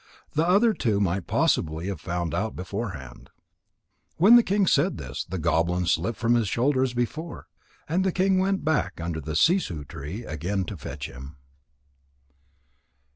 The other two might possibly have found out beforehand." When the king had said this, the goblin slipped from his shoulder as before. And the king went back under the sissoo tree again to fetch him.